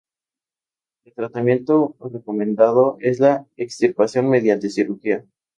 El tratamiento recomendado es la extirpación mediante cirugía.